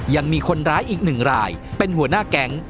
ยังมีคนร้ายอีกหนึ่งรายเป็นหัวหน้าแก๊ง